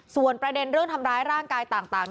ส่วนประเด็นเรื่องทำร้ายร่างกายต่าง